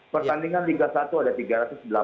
pertandingan liga satu ada tiga ratus delapan puluh